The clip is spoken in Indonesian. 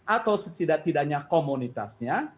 atau setidak tidaknya komunitasnya